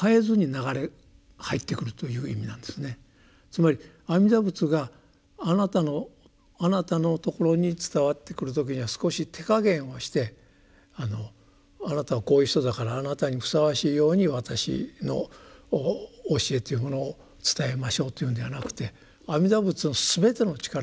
つまり阿弥陀仏があなたのあなたのところに伝わってくる時には少し手加減をして「あなたはこういう人だからあなたにふさわしいように私の教えというものを伝えましょう」というんではなくて阿弥陀仏の全ての力をね